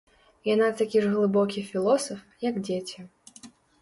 Яна такі ж глыбокі філосаф, як дзеці.